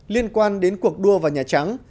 liên quan đến cuộc đua vào nhà trắng